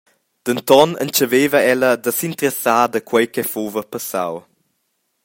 Denton entscheveva ella a s’interessar da quei che fuva passau.